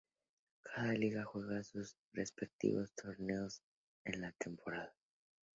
Cada liga juega sus respectivos torneos en la temporada.